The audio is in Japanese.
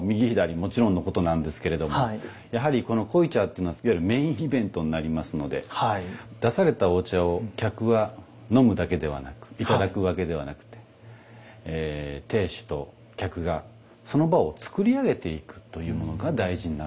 もちろんのことなんですけれどやはりこの濃茶というのはいわゆるメインイベントになりますので出されたお茶を客は飲むだけではなくいただくわけではなくて亭主と客がその場を作り上げていくというものが大事になると思います。